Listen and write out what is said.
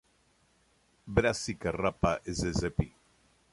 Brassica rapa ssp.